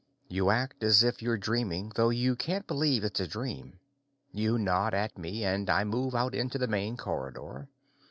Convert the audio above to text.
You act as if you're dreaming, though you can't believe it's a dream. You nod at me and I move out into the main corridor.